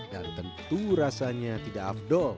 dan tentu rasanya tidak afdol